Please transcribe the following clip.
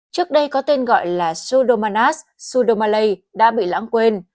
trước đây có tên gọi là pseudomonas pseudomallei đã bị lãng quên